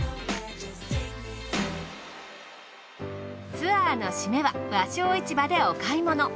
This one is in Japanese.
ツアーの締めは和商市場でお買い物。